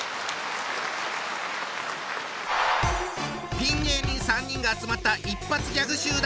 ピン芸人３人が集まった一発ギャグ集団！